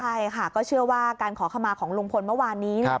ใช่ค่ะก็เชื่อว่าการขอขมาของลุงพลเมื่อวานนี้